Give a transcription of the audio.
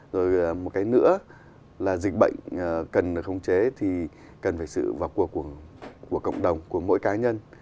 rồi một cái nữa là dịch bệnh cần được khống chế thì cần phải sự vào cuộc của cộng đồng của mỗi cá nhân